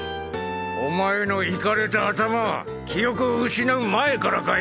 お前のイカれた頭は記憶を失う前からかよ。